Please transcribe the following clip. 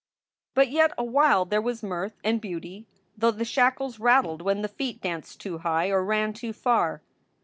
But yet awhile there was mirth and beauty, though the shackles rattled when the feet danced too high or ran too far.